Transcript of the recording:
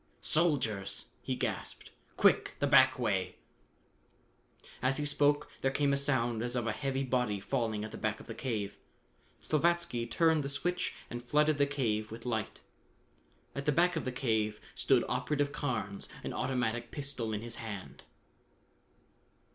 "Soldiers!" he gasped. "Quick, the back way!" As he spoke there came a sound as of a heavy body falling at the back of the cave. Slavatsky turned the switch and flooded the cave with light. At the back of the cave stood Operative Carnes, an automatic pistol in his hand.